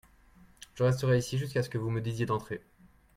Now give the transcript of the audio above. Je resterai ici jusquà ce que vous me disiez d'entrer.